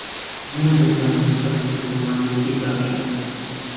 نەمدەزانی سەگ مەلەوانێکی باشە.